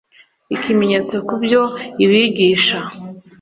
ikimenyetso ku byo ibigisha